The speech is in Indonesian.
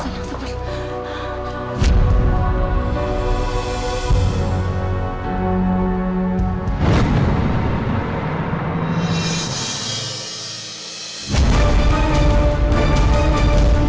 tadi tiba tiba kejang kejangnya